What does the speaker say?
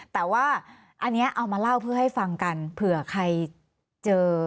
แต่ว่าอันนี้เอามาเล่าเพื่อให้ฟังกันเผื่อใครเจอ